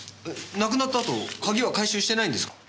亡くなった後鍵は回収していないんですか？